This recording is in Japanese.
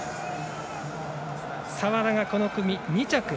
澤田がこの組２着。